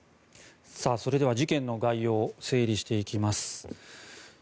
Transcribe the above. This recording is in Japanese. それでは事件の概要を整理していきます。